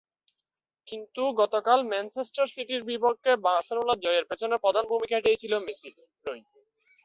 কিন্তু গতকাল ম্যানচেস্টার সিটির বিপক্ষে বার্সেলোনার জয়ের পেছনে প্রধান ভূমিকাটা ছিল মেসিরই।